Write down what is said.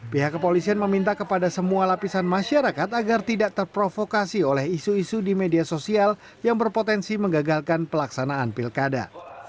pihak kepolisian meminta kepada semua lapisan masyarakat agar tidak terprovokasi oleh isu isu di media sosial yang berpotensi menggagalkan pelaksanaan pilkada